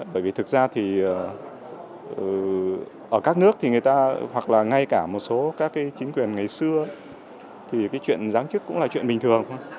bởi vì thực ra thì ở các nước thì người ta hoặc là ngay cả một số các cái chính quyền ngày xưa thì cái chuyện giáng chức cũng là chuyện bình thường